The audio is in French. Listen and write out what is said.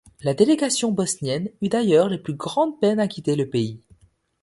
La délégation bosnienne eut d’ailleurs les plus grandes peines à quitter le pays.